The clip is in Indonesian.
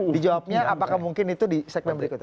di jawabnya apakah mungkin itu di segmen berikutnya